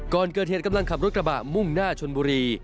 ก่อนเกิดเหตุกำลังขับรถกระบะมุ่งหน้าชนบุรี